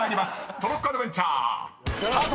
トロッコアドベンチャースタート！］